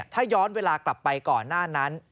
ถ้าย้อนเวลากลับไปก่อนหน้านั้น